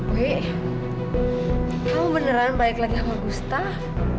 wih kamu beneran balik lagi sama gustaf